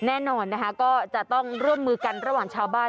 แน่นอนนะคะก็จะต้องร่วมมือกันระหว่างชาวบ้าน